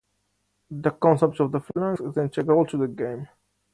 The concept of the phalanx is integral to the game.